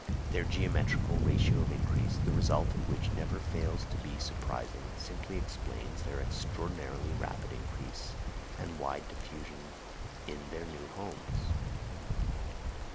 Their geometrical ratio of increase, the result of which never fails to be surprising, simply explains their extraordinarily rapid increase and wide diffusion in their new homes.